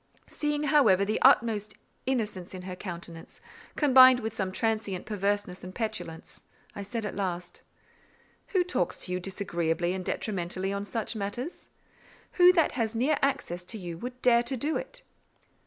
Seeing, however, the utmost innocence in her countenance—combined with some transient perverseness and petulance—I said at last,— "Who talks to you disagreeably and detrimentally on such matters? Who that has near access to you would dare to do it?"